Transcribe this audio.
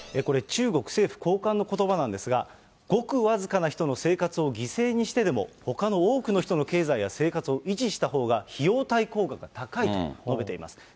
中国政府の高官のことばなんですが、ごく僅かな人の生活を犠牲にしてでもほかの多くの人の経済や生活を維持したほうが費用対効果が高いと述べています。